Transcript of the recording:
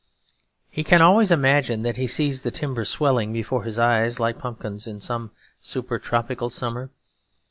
He can always imagine that he sees the timbers swelling before his eyes like pumpkins in some super tropical summer.